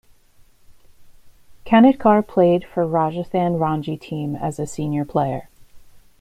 Kanitkar played for Rajasthan Ranji team as a senior player.